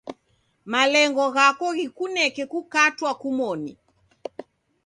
Malengo ghako ghikuneke kukatwa kumoni.